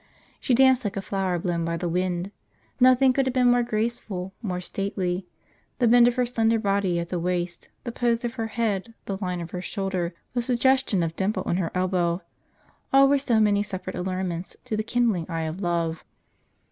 She danced like a flower blown by the wind. Nothing could have been more graceful, more stately. The bend of her slender body at the waist, the pose of her head, the line of her shoulder, the suggestion of dimple in her elbow all were so many separate allurements to the kindling eye of love.